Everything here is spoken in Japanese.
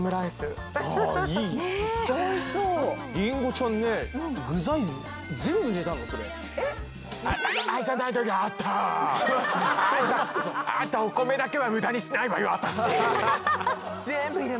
あんたお米だけは無駄にしないわよ私！